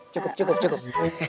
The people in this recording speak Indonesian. cukup cukup cukup